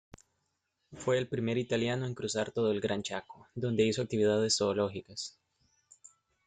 Fue el primer italiano en cruzar todo el Gran Chaco, donde hizo actividades zoológicas.